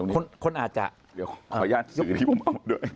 ขออนุญาตตรงนี้ขออนุญาตสื่อที่ผมเอามาด้วย